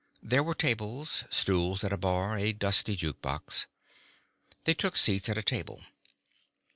There were tables, stools at a bar, a dusty juke box. They took seats at a table.